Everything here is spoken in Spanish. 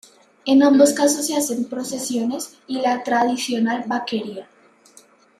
En ambos casos se hacen procesiones y la tradicional vaquería